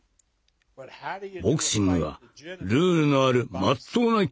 ボクシングはルールのあるまっとうな競技です。